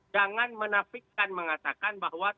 jangan menafikan mengatakan bahwa